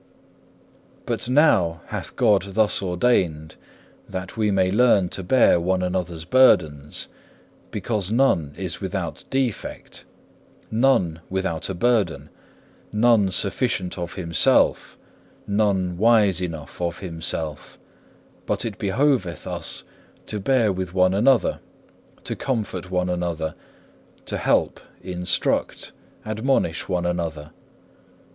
4. But now hath God thus ordained, that we may learn to bear one another's burdens, because none is without defect, none without a burden, none sufficient of himself, none wise enough of himself; but it behoveth us to bear with one another, to comfort one another, to help, instruct, admonish one another.